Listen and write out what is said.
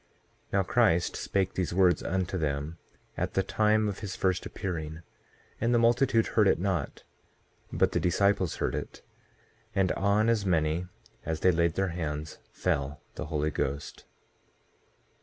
2:3 Now Christ spake these words unto them at the time of his first appearing; and the multitude heard it not, but the disciples heard it; and on as many as they laid their hands, fell the Holy Ghost.